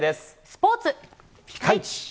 スポーツ。